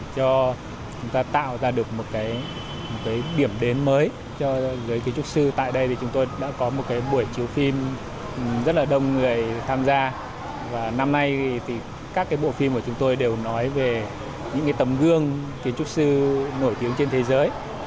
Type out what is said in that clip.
các bộ phim của chúng tôi đều nói về những tấm gương kiến trúc sư nổi tiếng trên thế giới